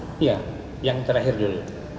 iya yang terakhir dulu